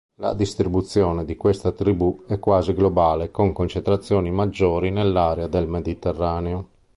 La distribuzione di questa tribù è quasi globale con concentrazioni maggiori nell'area del Mediterraneo.